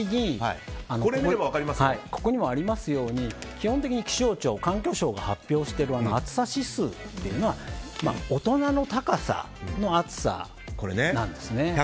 ここにもありますように基本的に気象庁、環境省が発表している暑さ指数っていうのは大人の高さの暑さなんですね。